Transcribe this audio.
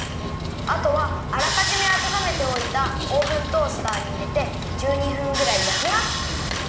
あとはあらかじめあたためておいたオーブントースターにいれて１２分ぐらいやきます。